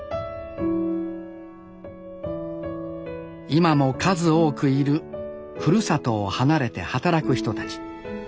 今も数多くいるふるさとを離れて働く人たち。